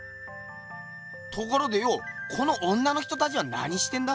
ところでよこの女の人たちは何してんだ？